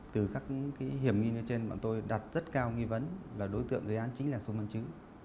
từ các hiểm nghi như trên bọn tôi đặt rất cao nghi vấn là đối tượng dưới án chính là xuân văn chứ